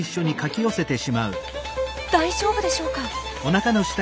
大丈夫でしょうか？